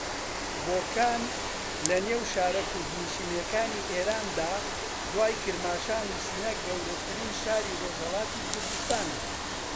بۆکان لە نێو شارە کوردنشینەکانی ئێراندا دوای کرماشان و سنە گەورەترین شاری ڕۆژھەڵاتی کوردستانە